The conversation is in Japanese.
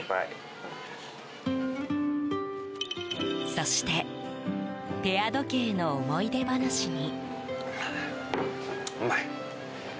そしてペア時計の思い出話に。